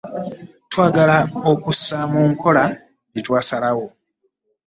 Twagala okussa mu nkola bye twasalawo.